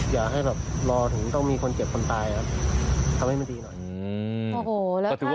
อยากให้แบบรอถึงต้องมีคนเจ็บคนตายครับทำให้มันดีหน่อย